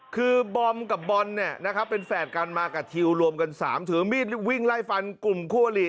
คือบอมกับบอลเนี่ยนะครับเป็นแฝดกันมากับทิวรวมกัน๓ถือมีดวิ่งไล่ฟันกลุ่มคั่วหลี